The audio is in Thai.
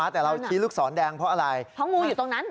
แต่เราชี้ลูกศรแดงเพราะอะไรเพราะงูอยู่ตรงนั้น